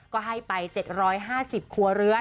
ก็ให้ไป๗๕๐ครัวเรือน